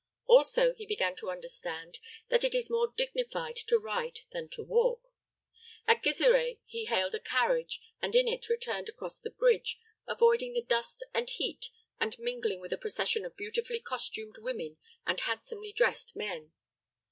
Also he began to understand that it is more dignified to ride than to walk. At Gizireh he hailed a carriage and in it returned across the bridge, avoiding the dust and heat and mingling with a procession of beautifully costumed women and handsomely dressed men.